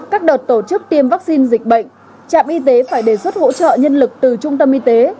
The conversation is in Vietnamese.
các đợt tổ chức tiêm vaccine dịch bệnh trạm y tế phải đề xuất hỗ trợ nhân lực từ trung tâm y tế